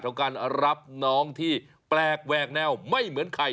ของการรับน้องที่แปลกแหวกแนวไม่เหมือนใคร